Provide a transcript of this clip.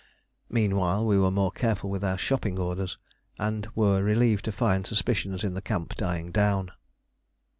Meanwhile we were more careful with our shopping orders, and were relieved to find suspicions in the camp dying down.